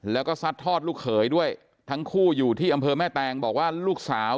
แล้วก็ซัดทอดลูกเขยด้วยทั้งคู่อยู่ที่อำเภอแม่แตงบอกว่าลูกสาว